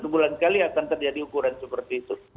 satu bulan kali akan terjadi ukuran seperti itu